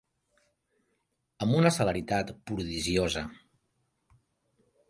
Amb una celeritat prodigiosa.